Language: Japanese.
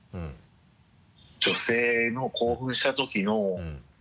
女性の興奮したときの。